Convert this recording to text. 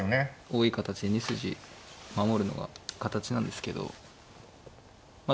多い形で２筋守るのが形なんですけどま